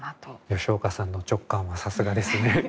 吉岡さんの直感はさすがですね。